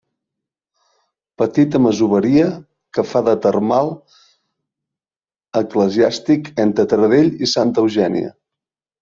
Petita masoveria que fa de termal eclesiàstic entre Taradell i Santa Eugènia.